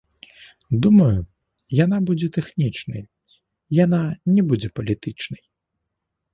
Думаю, яна будзе тэхнічнай, яна не будзе палітычнай.